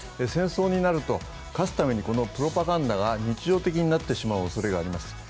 戦争になると、勝つためにこのプロパガンダが日常的になってしまうおそれがあります。